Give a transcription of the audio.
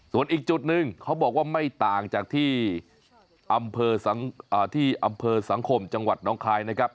ส่วนอีกจุดหนึ่งเขาบอกว่าไม่ต่างจากที่อำเภอที่อำเภอสังคมจังหวัดน้องคายนะครับ